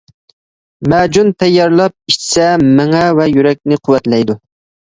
مەجۈن تەييارلاپ ئىچسە مېڭە ۋە يۈرەكنى قۇۋۋەتلەيدۇ.